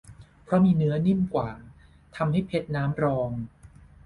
เพราะมีเนื้อนิ่มกว่า ทำให้เพชรน้ำรอง